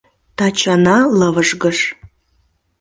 Тачана лывыжгыш.